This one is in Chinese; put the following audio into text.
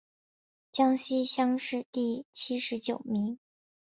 江西乡试第七十九名。